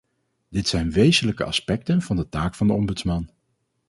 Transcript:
Dit zijn wezenlijke aspecten van de taak van de ombudsman.